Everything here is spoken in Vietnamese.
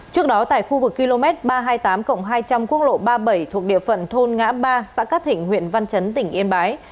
trước đó tại khu vực km ba trăm hai mươi tám hai trăm linh quốc lộ ba mươi bảy thuộc địa phận thôn ngã ba xã cát thịnh huyện văn chấn tỉnh yên bái